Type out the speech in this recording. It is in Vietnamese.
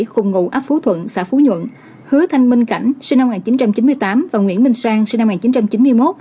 cùng ngụ ấp phú thuận xã phú nhuận hứa thanh minh cảnh sinh năm một nghìn chín trăm chín mươi tám và nguyễn minh sang sinh năm một nghìn chín trăm chín mươi một